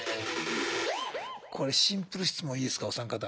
これシンプル質問いいですかお三方。